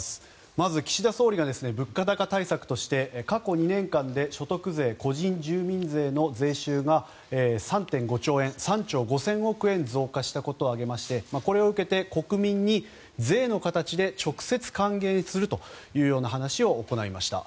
まず岸田総理が物価高対策として過去２年間で所得税、個人住民税の税収が３．５兆円３兆５０００億円増加したことを挙げましてこれを受けて国民に税の形で直接還元するというような話を行いました。